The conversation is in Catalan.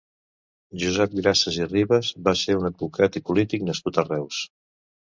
Josep Grases i Ribes va ser un advocat i polític nascut a Reus.